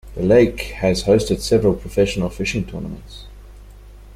The lake has hosted several professional fishing tournaments.